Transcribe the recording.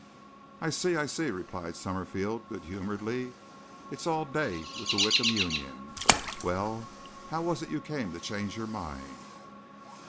"I see! I see!" replied Summerfield good humoredly. "It's all day with the Wickham Union. Well, how was it you came to change your mind?"